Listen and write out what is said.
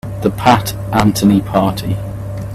The Pat Anthony Party.